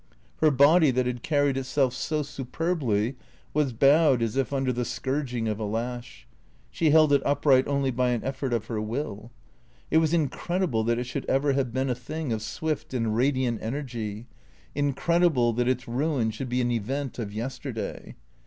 Her body, that had carried itself so superbly, was bowed as if under the scourging of a lash ; she held it upright only by an effort of her will. It was incredible that it should ever have been a thing of swift and radiant energy; incredible that its ruin should be an event of yesterday.